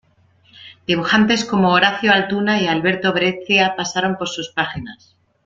Dibujantes como Horacio Altuna y Alberto Breccia pasaron por sus páginas.